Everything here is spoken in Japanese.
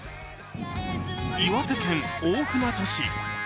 岩手県大船渡市。